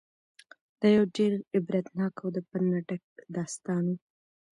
دا یو ډېر عبرتناک او د پند نه ډک داستان و.